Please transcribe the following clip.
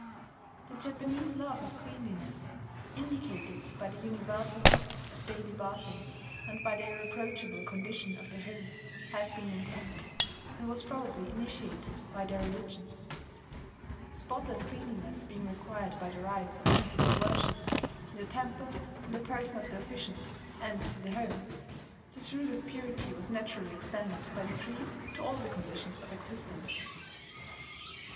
The Japanese love of cleanliness indicated by the universal practice of daily bathing, and by the irreproachable condition of their homes has been maintained, and was probably initiated, by their religion. Spotless cleanliness being required by the rites of ancestor worship, in the temple, in the person of the officiant, and in the home, this rule of purity was naturally extended by degrees to all the conditions of existence.